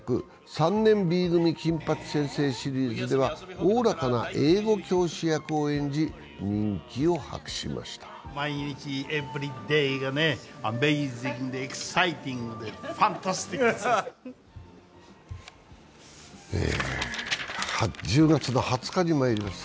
「３年Ｂ組金八先生」シリーズではおおらかな英語教師役を演じ人気を博しました１０月の２０日にまいります。